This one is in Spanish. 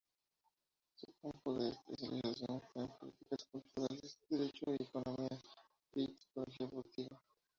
Su campo de especialización fue en Políticas Culturales, Derecho y Economía y, Psicología Evolutiva.